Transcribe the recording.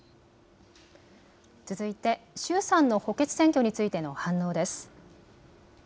続いて衆参の補欠選挙についての反応です。